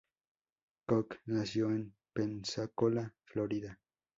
Cook nació en Pensacola, Florida.